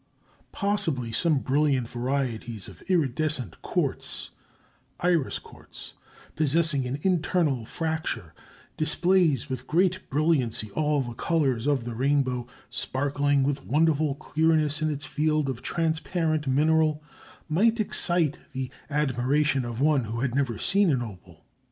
Possibly some brilliant varieties of iridescent quartz—"iris" quartz, possessing an internal fracture, displays with great brilliancy all the colors of the rainbow, sparkling with wonderful clearness in its field of transparent mineral—might excite the admiration of one who had never seen an opal.